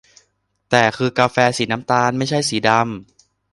แต่คือกาแฟสีน้ำตาล ไม่ใช่สีดำ